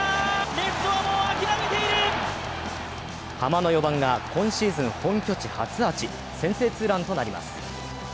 ハマの４番が今シーズン本拠地初アーチ、先制ツーランとなります。